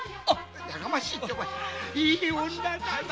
やかましいってお前いい女だな。